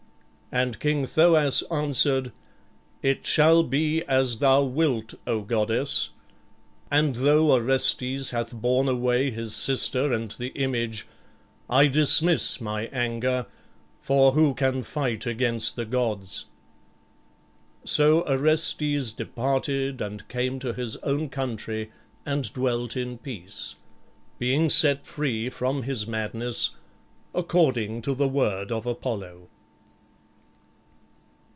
And King Thoas answered, "It shall be as thou wilt, O goddess; and though Orestes hath borne away his sister and the image, I dismiss my anger, for who can fight against the gods?" So Orestes departed and came to his own country and dwelt in peace, being set free from his madness, according to the word of Apollo.